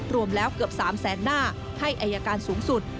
รวมแล้วเกือบ๓แสนหน้าให้อายการสูงสุด